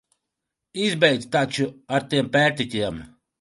Izbeidz taču ar tiem pērtiķiem!